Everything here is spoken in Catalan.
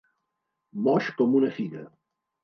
Moix com una figa.